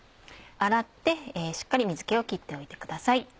洗ってしっかり水気を切っておいてください。